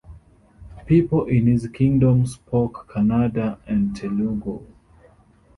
People in his kingdom spoke Kannada and Telugu.